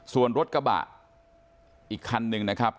ส่วนรถกระบะอีกคันหนึ่งนะครับ